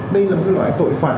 đây là một loại tội phạm